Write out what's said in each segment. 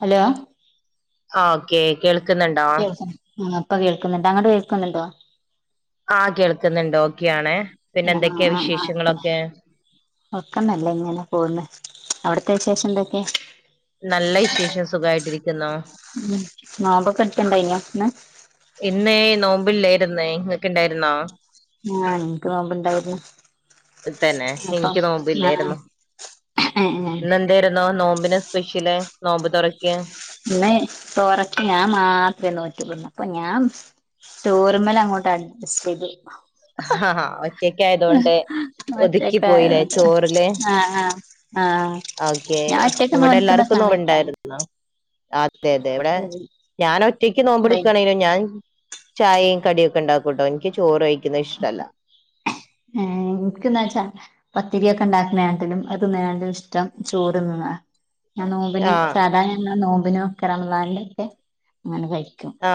Hello ആ okay കേൾക്കുന്നുണ്ടോ കേൾക്ക ആ അപ്പ കേൾക്കുന്നുണ്ട് അങ്ങോട്ട് കേൾക്കുന്നുണ്ടോ ആ കേൾക്കുന്നുണ്ട് ഓക്കെ ആണ് ആ ആ ആ ആ വെക്കണല്ലേ ഇങ്ങനെ പോണ് അവിടത്തെ വിശേഷം എന്തൊക്കെ നല്ല വിശേഷം സുഖായിട്ടിരിക്കുന്നു ഉ മാമ്പൊക്കെടിക്കണ്ട ഇന് ഇന്നേ നോമ്പിലിലായിരുന്നേ ഇങ്ങൊക്ക ഇണ്ടായിരുന്നോ ആ എനിക്ക് നോമ്പുണ്ടായിരുന്നു തന്നെ അപ്പം എനിക്ക് ആ നോമ്പില്ലായിരുന്നു ഇന്ന് ന്തായിരുന്നോ നോമ്പിനെ സ്പെഷ്യല നോമ്പ് തുറക്ക പിന്നെ തറക്ക ഞാൻ മാത്രമേ നോക്കിന്ന അപ്പൊ ഞാൻ ടോർമ്മല അങ്ങോട്ടാണ് അഡ്ജസ്റ്റ് ചെയ്ത് ആ ഹ ഒറ്റക്ക ആയത കൊണ്ട് ഒതുക്കി പോയില്ലേ ഒറ്റക്കായോണ്ട് ചോറില് ആ ആ ആ ഓക്കെ ഞാൻ ഒറ്റക്ക് ഇവിടെ നോൽക്കുന്ന സമയത്താണ് എല്ലാർക്കുംന്നോണ്ടായിരുന്നോ അതെ അതെ ഇവിടെ ഉം ഞാൻ ഒറ്റയ്ക്ക് നോമ്പ എടുക്കയാണെലോ ഞാൻ ചായയും കടിയ ഒക്കെ ഉണ്ടാക്കുംട്ടോ എനിക്ക് ചോറ് കഴിക്കുന്നത് ഇഷ്ടമല്ല ഏ എനിക്കന്താ വച്ചാ പത്തിരിയൊക്കെ ഉണ്ടാക്കുന്നതാങ്കിലും അത്ന്നങ്കിലും ഇഷ്ടം ചോറ് നിന്ന ഞാൻ നോബിന് ആ സാധാരണ നോമ്പിനും ഒക്കെ റംലാലിന്റെ ഒക്കെ അങ്ങനെ കഴും ആ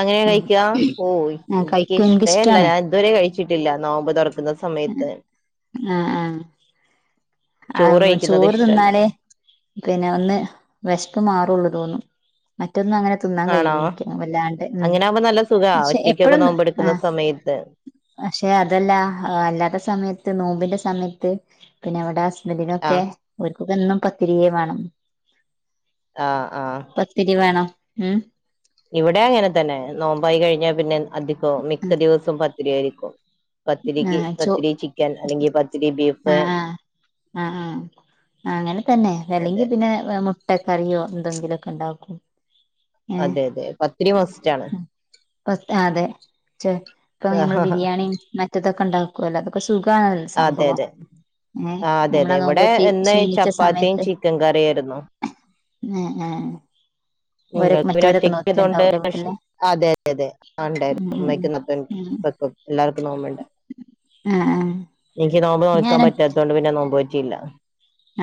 അങ്ങനെ കഴിക്ക ഓ ആഹ് എനിക്ക് കഴിക്കും ഇഷ്ടല്ല എനിക്കിഷ്ടാണ് ഞാൻ ഇതുവരെ കഴിച്ചു ട്ടില്ല നമ്പത് തുറക്ക് ഉ ആ ആ ആ ചോറ് കഴിക്കുന്നത് ചോറ് ഇഷ്ടല്ല തിന്നാലേ പിന്നെ ഒന്ന് വിഷപ്പ് മാറുള്ളു തോന്നും മറ്റൊന്നും അങ്ങനെ തിന്നാൻ ആണോ കഴിയ വല്ലാണ്ട് ഉ അങ്ങനെ ആകുമ്പോ നല്ല സുഖാ പക്ഷെ ഒറ്റക്കൊക്കെ എപ്പഴൊന്ന് ആ നോമ്പെടുക്കുന്ന സമയത്ത് പക്ഷെ അതല്ല അല്ലാത്ത സമയത്ത് നോമ്പിന്റെ സമയത്ത് പിന്നെ അവിടെ ഹസ്ബന്ഡിനൊക്കെ ആഹ് ഒരുക്കൊക്കെ എന്നും പത്തിരിയേ വേണം ആഹ് ആഹ് പത്തിരി വേണം ഉം ഇവിടെ അങ്ങനെ തന്നെ നോമ്പായി കഴിഞ്ഞാ പിന്നെ അധികോ മിക്ക ദിവസവും പത്തിരി ആയിരിക്കും പത്തിരിക് ആഹ് ചോ പത്തിരി ചിക്കൻ അല്ലെങ്കിൽ പത്തിരി ബീഫ് ആ ആ അങ്ങനെ തന്നെ അതെ അല്ലെങ്കി പിന്നെ മുട്ടക്കറിയോ എന്തെങ്കിലുമൊക്കെ ഉണ്ടാക്കും ഏഹ് അതെ അതെ പത്തിരി മസ്റ്റ് ആണ് അതെ ഇപ്പൊ നമ്മൾ ബിരിയാണിയും മറ്റതൊക്കെ ഉണ്ടാക്കല്ലോ അത സുഖണല്ല അതെ സംഭവം അതെ ഏഹ ആഹ് അതെ അതെ നഞമ്മളാ നോക്ക ഇവിടെ പറ്റി ഇന്ന് ക്ഷീണിച്ച ചപ്പാത്തിയും സമയത്ത് ചിക്കൻ കറിയായിരുന്നു ഉം ഉം നിങ്ങൾ പിെ ഒറ്റക്ക് ചെയതണ്ട് അതെ വീട്ടില് അതെ അതെ ആ ഉണ്ടായിരുന്നു ഉം ഉം ഉം അമ്മക്ക്ത്ത എല്ലാർക്കും നോമ്പണ്ട ആഹ് ആഹ് എനിക്ക് നോമ്പ് നോക്കാൻ ഞാന് പറ്റാത്തത കൊണ്ട് പിന്നെ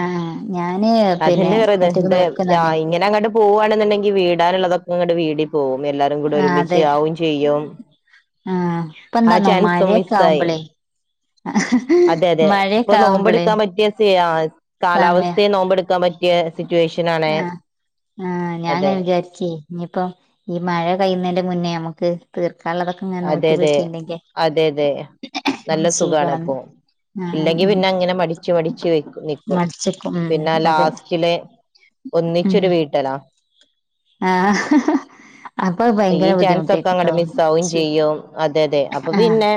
ആഹ് ഞാന് പിന്നെ അെ വറ ഒറ്റക്ക് ഇ നോൽക്കുന്നന്നേ ഇങ്ങനെങ്ങ പോവാണെന്നുണ്ടെങ്കി വീടാനുള്ളതൊക്കെ ഇങ്ങടെ വീടി പോകും എല്ലാരും കൂടെ ആഹ് ഒരുമിച്ച് അതെ ആും ചെയ്യും ആഹ് ഇപ്പ എന്താന്നോ ആജാൻ മഴയൊക്കെ സയസായി ആവുമ്പളേ അതെ അതെ ഇപ്പൊ മഴയൊക്കെ നോമ്പ ആവുമ്പളേ എടുക്കാൻ പറ്റിയ സമയ കാലാവസ്ഥയെ നോമ്പെടുക്കാൻ പറ്റിയ സിറ്റുവേഷൻ ആാണ് ആഹ് ആഹ് ഞാൻങ്ങനെ വിചാരിച്ച ഇനിയിപ്പ ഈ മഴ കഴ്യുന്നതിന്റെ മുന്നേ നമുക്ക് തീർ അതെ അതെ അതെ അതെ നല്ല സുഖണ സുഖാണ് ഇപ്പൊ ആഹ് ആഹ് ഇല്ലെങ്കി ആഹ് പിന്നെ അങ്ങനെ മടിിച്ചു മടിിച്ചു വ നിക്കും മടിച്ച്ക്കും ഉം പിന്നെ അതെ ലാസ്റ്റില് [unintelligible] ഒന്നിച്ചൊരു വീട്ടല്ലാ ആഹ അപ്പൊ ഈ ഭയങ്കര ചാൻസ് ഒക്കെ അങ്ങട് ബുദ്ധിമുട്ടായിക്കട്ടോ മിസ് ആവും ചെയ്യും അതെ അതെ അപ്പൊ പിന്നെ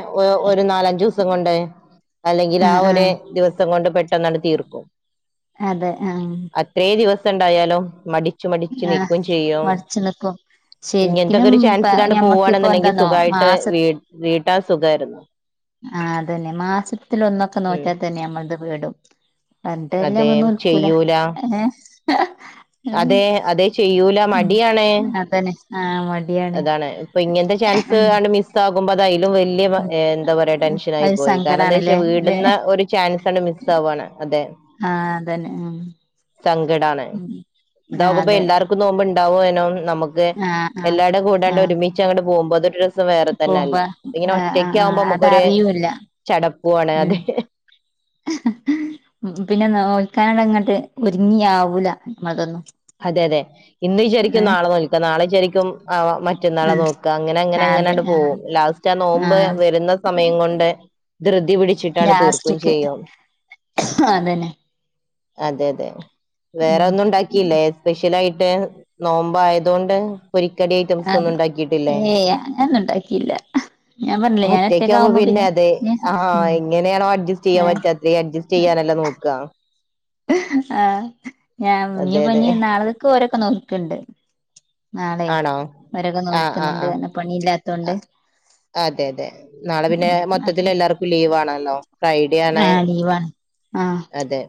ഒരു നാലഞ്ചു ദിവസം കൊണ്ട് അല്ലെങ്കിൽ ആ ആഹ് ഒരു ആഹ് ദിവസം കൊണ്ട് പെട്ടെന്നാണ് തീർക്കും അതെ ആഹ ണ്ടായാലോ മടി മടിച്ചു ആഹ് നക്കും ചെയ്യും മടിച്ച് നിക്കും ഇങ്ങനത്തെൊക്കെ ശരിക്കിനും ഒരു ഇപ്പ ചാൻസിലാണ് ഞമ്മക്കിപ്പോ പോുകവാണെന്നുണ്ടെങ്കിൽ എന്താന്നോ സുഖമായിട്ട് മാസ വീ വീട്ടാ സുഖമായിരുന്നു ആ അത തന്നെ മാസത്തിലൽൊന്നൊക്കെ ഉം നോറ്റാൽ തന്നെ നമ്മള ഇത് പേടും അതെ എന്തല്ലമ്മ ഒന്നും ഒൽക്കൂല ചെയ്യൂല ഏ ഉം അതെ അതെ ചെയ്യൂല മടിയാണ് അതന്നെ ആഹ് മ അതാണ് ഇപ്പൊ ഇങ്ങനത്തെ ചാൻസ് അ മിസ് ആകുമ്പോ അതായില്ല വല എന്താ പറയാ ടെൻഷൻ ആായി അതൊരു പോയി കാരണം എന്താ സങ്കടാണല്ലേ വെച്ചാൽ അല്ലെ വീടുന്ന ഒരു ചാൻസണ് മിസ് ആവയാണ് അതെ ആഹ അതന്നെ ഉം സങ്കടാണ് ആഹ് ഇതകുമ്പ അതെ എല്ലാർക്കും നോവുമ്പോ ഉണ്ടാവനോ നമുക്ക് ആഹ് ആഹ് എല്ലരുടെ കൂടാണ്ട് ആഹ് ഒരുമിച്ച് അങ്ങട്ട് പോകുമ്പോ സം വേറെ തന്നെ പോകുമ്പ അല്ല അങ്ങനെ ആഹ് ഒറ്റക്ക ആഹ് ആഹ് ആകുമ്പോ നമുക്കൊരു അതറിയൂല്ല ച പോാണ് ഉം അതെ പിന്നെ നോയിിക്കാനോട് ഇങ്ങോട്ട് ഒരുങ്ങിയ ആാവൂല നമ്മളതൊന്നും അതെ അതെ ഇന്ന് ശരിക്കും ഏഹ് നാളെ നോൽക്കുക നാളെ ശരിക്കും മറ്റന്നാളെ ആഹ് നോക്കുക അങ്ങനെ അങ്ങനെ അതെ അങ്ങന ആഹ് പോകും ലാസ്റ്റ് ആ നോമ്പ് ആഹ് വരുന്ന സമയം കൊണ്ട് ധൃതി പിടിച്ചിട്ടാണ് തീർക്കുകയും ലാസ്റ്റ്ക്ക് ചെയ്യാം അതന്നെ അതെ അതെ ഉം ഉ സ്പെഷ്യല ആയിട്ട് നോമ്പോ ആയതുകൊണ്ട് രിക്കടി റ്റംന്നും ആഹ് ഉണ്ടാക്കിട്ടില്ല ഏയ് അങ്ങനൊന്നും ഉണ്ടാക്കിയില്ല ഞാൻ പറഞ്ഞില്ലേ ഞാൻ ഒറ്റക്ക ഒറ്റക്കാവുമ്പോ പിന്നെ അതെ ഞാൻ ആഹ് ഉം എങ്ങനെയാണോ അഡ്ജസ്റ്റ് ചെയ്യാൻ ഏഹ് പറ്റാത്ത അഡ്ജസ്റ്റ് ചെയ്യാാനല്ലോ നോക്കുക ആ് ഞാൻ മുഞ്ഞി അതെ അതെ പഞ്ഞഞ് നാളെക്ക് ഓരൊക്കെ നോക്കണ്ട് നാളെ ആണോ ഒരകെ ആ ആ ആ നോൽക്കുന്നുണ്ട് എന്നെ പണി ആ, ഇല്ലാത്തൊണ്ട് അതെ അതെ നാളെ പിന്നെ മൊത്തത്തി അപ്പൊ എല്ലാവർക്കും ലീവ് ആണല്ലോ ഫ്രൈഡേ എവിടൊണ് ആഹ് ലീവാണ് ആഹ് അതെ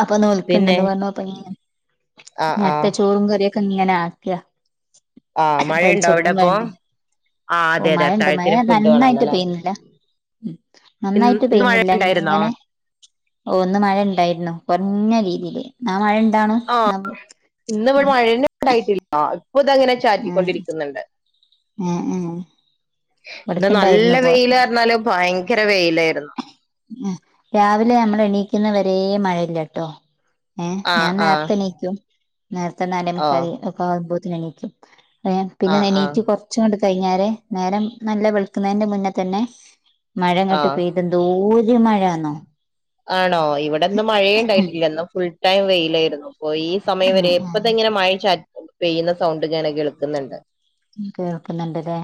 അപ്പൊ പിന്നെ നോൽക്കണ്ടന്ന് പറഞ്ഞപ്പ ആ ആ നേരത്തെ ചോറും കറിയ ക്ക ഇങ്ങനെ ആക്കിയ ആ മഴയുണ്ടോ പലിച്ച അവിടെ പോവും അപ്പൊ വേണ്ടേ ആ ഓ അതെ അതെ മഴുണ്ട് മഴ അത്താഴത്തിന് ഫുഡ് വേണല്ലോ നന്നായിട്ട് അല്ലെ പെയ്യുന്നില്ല ഉ ഇന്ന് നന്നായിട്ട് ഇന്ന് മഴ പെയ്യുന്നില്ല ഉണ്ടായിരുന്നോ ഇങ്ങനെ ഓ ഒന്ന് മഴുണ്ടായി പറഞ്ഞ രീതിൽ ന മഴ ഇണ്ടാണും ന്നാ ആഹ് ഇന്ന് ഇവിടെ മഴ ഉണ്ടായിട്ടില്ല ഇപ്പൊ ഇതങ്ങനെ ഏഹ് ചാറ്റിക്കൊണ്ടിരിക്കുന്നുണ്ട് ഉം ഉം ഇന്ന് നല്ല ഇവിടക്കുണ്ടായിരുന്നു കൊ വെയിലാറ്ഞ്ഞാൽ ഭയങ്കര വെയിലായിരുന്നു ഉം രാവിലെ നമ്മൾ എണീക്കുന്ന വരെ മഴയില്ലട്ടോ ഏ ആഹ് ഞാൻ ആഹ് നേരത്തെ എണീക്കും നേരത്തെ ഓ നാലെമുക്കാലാവുമ്പോത്തിന് എണീക്കും ഏ പിന്നെ ആഹ് ആഹ് എനീറ്റ് കുറച്ചുങ്ങട്ട് കഴിഞ്ഞാരെ നേരം നല്ല വെള്ക്കുന്നതിന്റെ മുന്നേ തന്നെ മഴയങ്ങട്ട് ആഹ് പെയ്ത് എന്തോരു മഴ തന്നേ ആണോ ഇവിടിന്ന് മഴയേ ഉണ്ടായിട്ടില്ല. ഇന്ന് ഫുൾ ടൈം വെയിലായിരുന്നു ഇപ്പൊ ഈ സമയം ഉം വരെ ഇപ്പോ തന്നെ ഉം ഇങ്ങനെ മഴ ചാറ്റൽ പെയ്യുന്ന സൗണ്ടിങ്ങനെ കേൾക്കുന്നുണ്ട്. കേൾക്കുന്നുണ്ടല്ലേ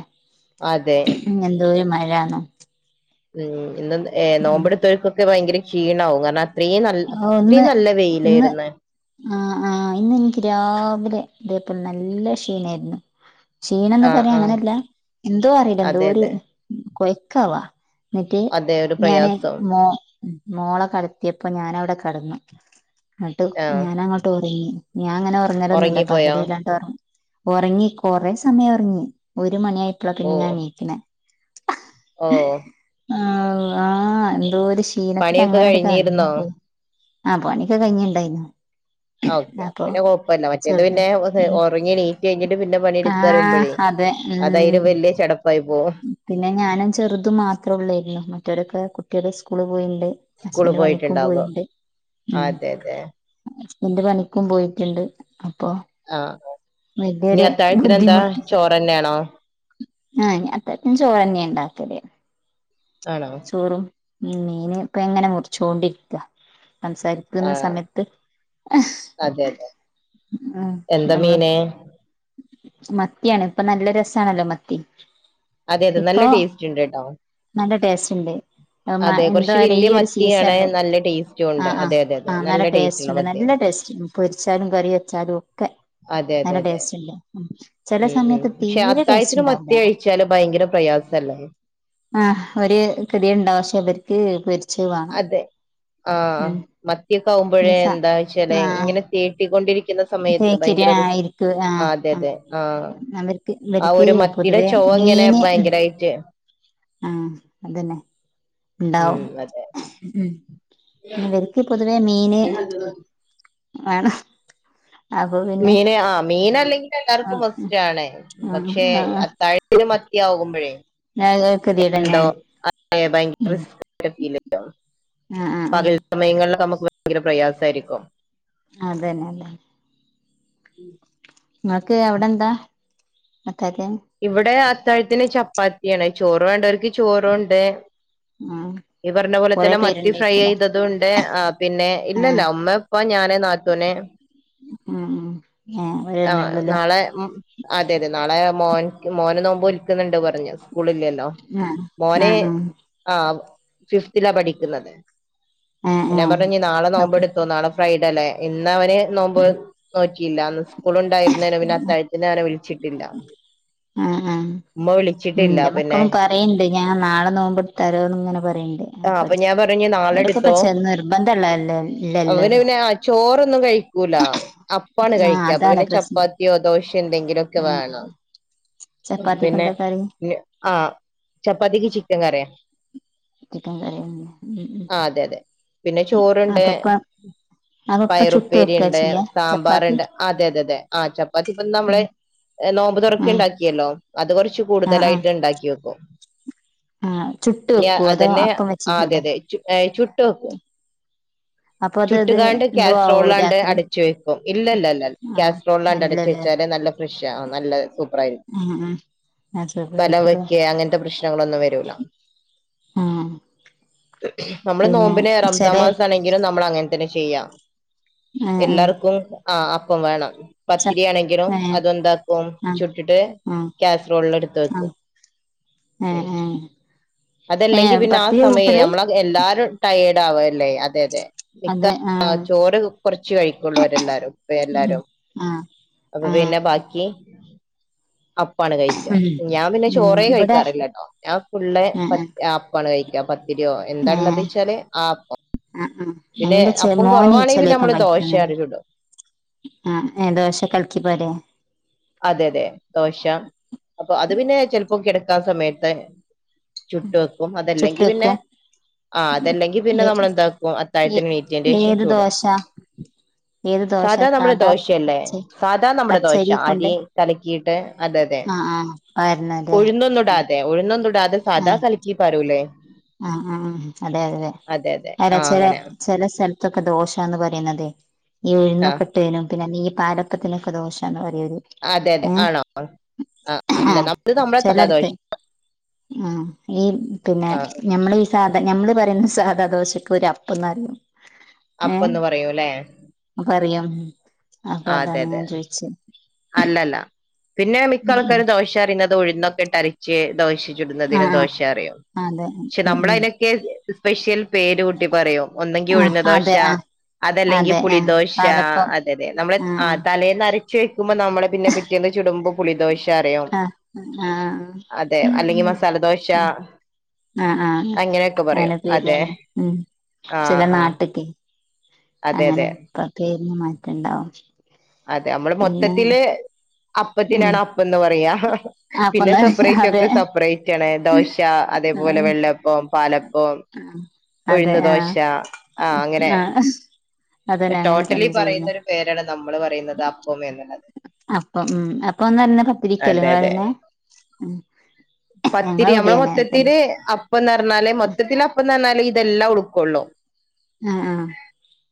അതെ ഇന്നെന്തോരു മഴാണ് ഉം ഇന്ന് ഏ നോമ്പടുത്തോരിക്കൊക്കെ ഭയങ്കര ക്ഷീണാവും കാരണ ഓ ഇന്ന് ഇന്ന് ആ ആഹ് ഇന്നെനിക്ക് രാവിലെ അതേപോലെ നല്ല ക്ഷീണായിരുന്നു ക്ഷീണന്ന് ആഹ് പറയാൻ ആഹ് അങ്ങനല്ല എന്തോ അറിയില്ല അതെ എന്തോരു അതെ കൊയക്കാവാ എന്നിട്ട് അതെ ഒരു ഞാന് പ്രയാസം മോ മോളെ കിടത്തിയപ്പോ ഞാനവിടെ കിടന്നു എന്നിട്ട് ആഹ് ഞാനങ്ങോട്ട് ഉറങ്ങി ഞാൻ അങ്ങനെ ഉറങ്ങലൊന്നുല്ല പകല് ഉറങ്ങിപ്പോയോ വല്ലാണ്ട് ഉറങ്ങി ഉറങ്ങി കുറേ സമയം ഉറങ്ങി ഒരു മണിയായപ്പോള ഓ പിന്നെ ഞാനെണീക്കണേ ഓ ആ ആഹ് എന്തോരു പണിയൊക്കെ ക്ഷീണത്തിലങ്ങനടെ കിടന്നു കഴിഞ്ഞിരുന്നോ ആ പണിയൊക്കെ കഴിഞ്ഞിണ്ടായിരുന്നു ഓക്കെ പിന്നെ കൊഴപ്പമില്ല മറ്റേത് പിന്നെ ചെറുതിന് ഉം ഉറങ്ങി എണീറ്റ് കഴിഞ്ഞിട്ട് പിന്നെ പണിയെടുക്ക പറയുമ്പോഴേ ആഹ് അതെ അതായിലും ഉം വലിയ ചടപ്പായി പോകും പിന്നെ ഞാനും ചെറുതും മാത്രേ ഉള്ളായിരുന്നു. മറ്റവരൊക്കെ കുട്ടികള് സ്കൂള് പോയിണ്ട് ഹസ്ബൻ്റ് പണിക്കും പോയിണ്ട് അതെയതെ ൻ്റ് പണിക്കും പോയിട്ടുണ്ട് അപ്പൊ ആഹ് ഇനി വലിയൊരു അത്താഴത്തിന് എന്താ ബുദ്ധിമുട്ട് ചോറന്നെയാണോ ആ അത്താഴത്തിനും ചോറെന്നെയാ ഉണ്ടാക്കല് ആണോ ചോറും ഉം. മീന് ഇപ്പിങ്ങനെ മുറിച്ചോണ്ടിരിക്കാ സംസാരിക്കുന്ന ആഹ് സമയത്ത് അതെ അതെ ആ എന്താ നമ്മളെ മീന് മ ത്തിയാണ് ഇപ്പൊ നല്ല രസാണല്ലോ മത്തി അതെ അതെ നല്ല ഇപ്പൊ ടേസ്റ്റ് ഉണ്ട് കേട്ടോ നല്ല ടേസ്റ്റ് ഇണ്ട് അതെ എന്താ കുറച്ച് പറയാ ഈ വല്യ ഒരു മത്തിയാണ് സീസണില് നല്ല ടേസ്റ്റും ആ ഉണ്ട് ആ അതെ അതെ അതെ ആ നല്ല ടേസ്റ്റ് ഉള്ള ഉണ്ട് മത്തി നല്ല ടേസ്റ്റ് പൊരിച്ചാലും കറി വെച്ചാലും ഒക്കെ അതെ അതെ നല്ല അതെ ടേസ്റ്റ് ഉണ്ട് ചില ഉം ഉം സമയത്ത് പക്ഷെ തീരെ ടേസ്റ്റ് അത്താഴത്തിന് മത്തി ഉണ്ടാവൂല കഴിച്ചാല് ഭയങ്കര പ്രയാസല്ലേ ആഹ് ഒരു കൃതിയുണ്ടാവും പക്ഷെ ഇവർക്ക് പൊ അതെ ആ മത്തിയക്കെ ഈ ആകുമ്പോഴേ സ എന്താ വച്ചാലെ ആഹ് ഇങ്ങനെ തേട്ടിക്കൊണ്ടിരി ക്കുന്ന സമയത്ത് തേക്കിരി ഭയങ്കര ആഹ് റിസ്‌ക് ഇരിക്കു ആ ആഹ് അതെ അതെ ആഹ് ആ അവർക്ക് ആ ഇവർക്ക് ഒരു മത്തിയുടെ പൊതുവേ ചുവ ഇങ്ങനെ ഭയങ്കരായിട്ട് ആ അത് തന്നെ ഉണ്ടാവും ഉം അതെ ഉം ഇവർക്ക് പൊതുവേ മീന് [unintelligible] വേണം അപ്പൊ പിന്നെ മീന് ആ മീനല്ലെങ്കിലും എല്ലാർക്കും ആഹ് മസ്റ്റാണ്. ആഹ് പക്ഷെ അത്താഴത്തിന് മത്തിയാ കുമ്പോഴേ ആഹ് ആഹ് കെതിയേട് എന്തോ തന്നെയാണ് ഉം ഭയങ്കര [unintelligible] ആഹ് ആഹ് ആഹ് പകൽ സമയങ്ങളിൽ നമുക്ക് ഭയങ്കര പ്രയാസമായിരിക്കും അതെന്നെ അല്ലേ ഉം [inaudible] നിങ്ങക്ക് എവിടെന്താ ഇവിടെ അത്താഴത്തിന് ചപ്പാത്തിയാണ് ചോറ് വേണ്ടവർക്ക് ചോറുണ്ട് ആഹ് നീ പറഞ്ഞപോലെ കൊറെ തന്നെ മത്തി ഫ്രൈ പേരുണ്ടായിരിക്കൂലേ ചെയ്തതുമുണ്ട് പിന്നെ ആഹ് ഇല്ലല്ല ഉമ്മ ഉപ്പ ഞാൻ ന്റെ നാത്തൂനെ ഉം ഏഹ് അവര് ആ തന്നെ ഉള്ളൂല്ലേ നാളെ ആതെ തെ നാളെ മോൻ മോന് നോമ്പോ ൽക്കുന്നുണ്ട് പറഞ്ഞു സ്കൂളില്ലല്ലോ ആഹ് മോനെ ആഹ് ആഹ് ആ ഫിഫ്ത്തിലാ പഠിക്കുന്നത് ആഹ് ഞാൻ ആഹ് പറഞ്ഞ ന് നാളെ നോമ്പോ അപ്പ് എടുത്തു നാളെ ഫ്രൈഡേ അല്ലേ ഇന്ന് അവന് നോമ്പോ ഉം നോറ്റിയില്ലാന്ന് സ്കൂളുണ്ടായിരുന്നേനെപിന്നെ അത്താഴത്തിന അവനെ വിളിച്ചിട്ടില്ല ആ ആ ഉമ്മ ഉ വിളിച്ചിട്ടില്ല എന്റെ പിന്നെ മക്കളും പറയണ്ട് ഞാൻ നാളെ നോമ്പോ എടുത്ത ലോന്ന് ഇങ്ങനെ പറയണ്ട് ആ അപ്പ അപ്പൊ എടു ഞാൻ പറഞ്ഞ ഓരൊക്കെ ഇപ്പ നാളെടുത്തോ ചെന്ന് നിർബന്ധള്ളല്ലേ ഇല്ലല്ലല്ലോ അവന്പിന്നെ ചോറൊന്നും കഴി കഴിക്കൂല അപ്പാണ് ആഹ് കഴിക്ക അപ്പ അതാണ് പിന്നെ പ്രശ്നം ചപ്പാത്തിയോ ദോശോ എന്തെങ്കിലുംക്കെ ആഹ് വേണം ആഹ് ചപ്പാത്തിക്ക് പിന്നെ എന്താ കറി ആ ചപ്പാത്തിക്ക് ചിക്കൻ കറിയ ചിക്കൻ കറി തന്നെ ഉം ഉം ആ അതെ അതെ പിന്നെ ചോറ്ണ്ട് അപ്പപ്പ അപ്പപ്പ ചുട്ട് പയറുപ്പേരി വെക്കാ ഉണ്ട് ചെയ്യാ ചപ്പാത്തി സാമ്പാറുണ്ട് അതെ അതെ അതെ ആ ചപ്പാത്തി ഇപ്പൊ ന്ന് നമ്മളെ ഉം ഏ നോമ്പ് തുറക്ക ഉം ഉണ്ടാക്കിയല്ലോ അത് കുറച്ച് ആഹ് ആഹ് കൂടുതലായിട്ട് ഉണ്ടാക്കി വെക്കും ആഹ് ചുട്ട് ന്ന് വെക്കുവോ അതോ അതന്നെ അപ്പം ആ വെച്ചിട്ടൂടെ തെതെ ചുട്ടുവെക്കു അപ്പൊ അത് അത് ചുട്ടുകാണ്ട് എന്തോ ആവോ കാസ്ട്രോളാണ്ട് രാത്രി അടച്ചു വെക്കും ഇല്ലല്ലല്ല ആഹ് കാസ്ട്രോളാണ്ട് അടച്ചു വെച്ചാല് നല്ല ഫ്രഷാനല്ല സു ഉ ഉ ബലം വെക്ക അങ്ങനത്തെ പ്രശ്നങ്ങളൊന്നും വരൂല ആഹ് നമ്മള് പിന്നെ നോമ്പിനെ റംസാ ചെലെ മാസ് ആണെങ്കിലും നമ്മൾങ്ങനെ അെ ചെയ്യാം ഏഹ് ഏഹ് എല്ലാർക്കും ആഹ അപ്പം വേണം ച പത്തിരിയാണെങ്കിലും ഏഹ് അതെന്താക്കും ആഹ് ചുട്ടിട്ട് ആഹ് കാസറോളിൽ എടുത്ത് വെക്കും ആഹ് ഉ ഏഹ് ഏഹ് ഏഹ് അതല്ലെങ്കി പിന്നെ ആ പത്തിരിയാ സമയേ കൂട്ടല് നമ്മള എല്ലാരും ടയേർഡ് ആവല്ലേ അതെ അതെ മിക്ക അതെ ആഹ് ചോറ് കൊറച്ച് കഴിക്കുള്ളൂവരെല്ലാരും ഇപ്പ ഉം എല്ലാരും ആഹ് അപ്പൊപ്പൊന്ന ആഹ് ബാക്കി അപ്പാണ് കഴിക്കുക ഉം ഞാൻ പിന്നെ ഉം ചോറേ ഇബടെ കഴിക്കാറില്ല കേട്ടോ ഞാൻ ഫുുള്ള ആഹ് പ ആഹ് അപ്പാണ് കഴിക്ക ോ എന്താണള്ളത് വെച്ചാല് ആ ആ ആ പിന്നെ എന്റെ ചെ അപ്പം മോന കുറവാണെങ്കിൽ പിന്നെ ചെിലപ്പ നമ്മള് കഴിക്കന്നനെ ദോശയാണ് ചുടും ആ ഏത വശം കളിക്കി പോര അതെ അതെ ദോശ ആ സമയത്ത് ചുട്ട വെക്കും ചുട്ട് അതല്ലെങ്കി പിന്നെ വെക്കും ആ അതല്ലെങ്കി പിന്നെ ഏ നമ്മൾെന്താക്കും ഏ അത്താഴത്തിന് നീറ്റിയന്റെ ശേഷം ഏത് ചൂടോ ദോശ ഏത് ദോശ സാദാ നമ്മുടെ സാധാ ദോശയല്ലേ പച്ച സാദാ നമ്മുടെ ദോശ പച്ചരി കൊണ്ട് അരി തലക്ക് അതെ അതെ ആഹ് ആഹ് പകരുന്നല്ലേ ഉഴുന്നുന്നുട അതെ ഉഴുന്ന ത സാദാ കളിക്കി പറൂലേ ആഹ ഉ അതെ അതെ അതെ അല്ല ആ ചില അങ്ങനെ ചെില സ്ല ൊക്കെ ദോഷാന്ന് പറയുന്നുന്നത്േ ഈ ആ ഉഴുന്നൊക്കെട്ടതിനും പിന്നെ ഈ പാലപ്പത്തിനൊക്കെ ദോഷന്ന് പറ അതെ അതെ ആണോ ആല്ല നമ്മത് നമ്മളെ സാോഷ ആ ഈ പിന്നെ മ്മ നമ്മ ഈ സാധ നമ്മള് പറയുന്ന സാധാ ദോശക്ക ഒരു അപ്പന്ന്റിയുന്നു അപ്പന്ന് പറയൂല്ലെ ഉ അപ്പൊ അതാണ് ഞാൻ ചോയിിച്ചേ അല്ലല്ല പിന്നെ മിക്ക ഉം ഉം ആൾക്കാരും ദോശ അറിയുന്നത് ഉഴുന്നൊക്കെട്ടരിച്ച് ദോശ ആഹ് ദോറ ആഹ് അതെ പക്ഷെ ഉം ഉം നമ്മളതിനൊക്കെെ്യൽ പേര് കുൂട്ടി പറയോ ഒന്നെങ്കി ആഹ് ഒഴിഞ്ഞ ദോശ അതെ ആഹ് അതല്ലെങ്കിൽ അതെ ആഹ് പുളിദോശ പാലപ്പം അതെ അതെ നമ്മെ ആ ആഹ് തലേന്ന്റി ചക്ഷദുമ്പോ നമ്മള പിന്നെറ്റേന്ന് ചടുമ്പോ പുളിോഷം ആഹ് ആഹ് അതെ അല്ലെങ്കിൽ മസാലദോശ ആഹ് ആഹ് ആഹ് അങ്ങനെയൊക്കെ പറയും അങ്ങനെ അതെ പേരുല്ലേ ഉം ആഹ ആഹ അങ്ങനെപ്പ പേരുന്ന് മാറ്റുണ്ടാവും അതെ നമ്മള് മൊത്തത്തില് ഉം അപ്പത്തിനാണ് അപ്പന്ന് പറയാ പിന്നെ അപ്പൊന്ന് സെപ്പറേറ്റ് അതെ ഒക്കെ സെപ്പറേറ്റ് ആണ് ദോശ അതേപോലെ ആഹ് വെള്ളപ്പം പാലപ്പ ആഹ് അതെ ഉഴുന്ന ദോശ ആഹ് ആഹ അങ്ങനെ ആഹ് അതന്നെ അങ്ങനെ ടോട്ടലി തന്നെ പറയുന്ന ചെയ്യുന്നെ ഒരു പേരാണ് നമ്മള് പറയുന്നത് അപ്പം എന്നുള്ളത് അപ്പൊ ഉ അപ്പൊ ഒന്ന് അറുന്ന അതെ അതെ പത്തിരിക്കല്ലങ്ങളെ ഉ പത്തിരി നമ്മള മൊത്തത്തി അപ്പ പറഞ്ഞാലേ മൊത്തത്തിൽ അപ്പം പറഞ്ഞാലേ ഇതെല്ലാം ഉടുക്കള്ളൂ ആഹ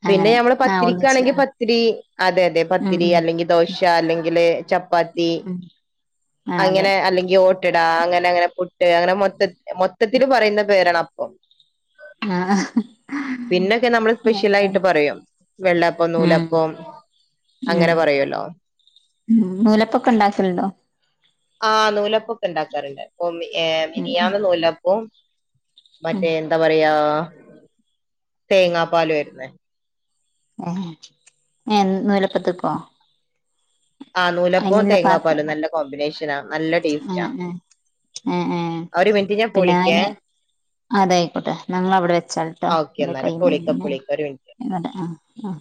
ആഹ പിന്നെ ഞമ്മള് പത്തിരിക്കാണെങ്കിൽ പത്തിരി അതെ അതെ ഉം പത്തിരി ഉം അല്ലെങ്കിൽ ദോശ അല്ലെങ്കില് ചപ്പാത്തി ഉം ആഹ് അതെ അങ്ങനെ അല്ലെങ്കിൽ ഓട്ടട അങ്ങനെ അങ്ങനെ പുട്ട് അങ്ങനെ മൊത്ത മൊത്തത്തില് പറയുന്ന പേരാണ് അപ്പം ആഹ് പിന്നൊക്കെ നമ്മള് സ്പെഷ്യൽ അതെ ആയിട്ട് പറയും വെള്ളപ്പം ഉം നൂലപ്പം അങ്ങനെ ഉം പറയുമല്ലോ ഉ നൂലപ്പൊക്കെ ഉണ്ടാക്കണ്ടോ ആ് നൂലപ്പൊക്കെ ഉണ്ടാക്കാറുണ്ട് അപ്പൊ ഉം ന്ന് നൂലപ്പവും ഉം മറ്റേ എന്താ പറയാ തേങ്ങാപ്പാല ആുന്ന ഏ ഏ നൂലപ്പത്തക്ക ആഹ് നൂലപ്പവും തേങ്ങാപ്പാലും നല്ല കോമ്പിനേഷനാ നല്ല ടേസ്റ്റ് ആ ആ ആ അവര് മിനിറ്റ് ഞാൻ പിന്നെ പോൊളിക്ക അയിന് അതായിക്കോട്ടെ ഞങ്ങ അവിടെ വെച്ചാൽട്ടോ ഓക്കെ എന്റെ എന്നാല് കൈ ഇപ്പൊ മരന വിളിക്കാം ഇപ്പൊ വിളിക്കാം ഒരു മിനിറ്റ് ഇല്ല ആ ആ